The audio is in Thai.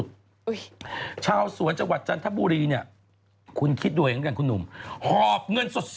ถ้าจะไหลเรื่องของพี่อ่ะ